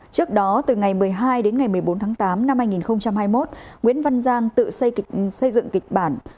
trước đó từ ngày một mươi hai đến ngày một mươi bốn tháng tám năm hai nghìn hai mươi một nguyễn văn giang tự xây dựng kịch bản